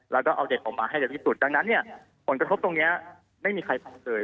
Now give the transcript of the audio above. แล้วก็เอาเด็กออกมาให้เร็วที่สุดดังนั้นเนี่ยผลกระทบตรงนี้ไม่มีใครทำเลย